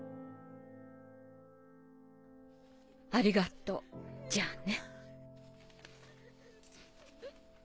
「ありがとうじゃあね」。